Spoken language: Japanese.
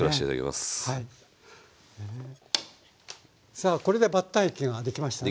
さあこれでバッター液ができましたね。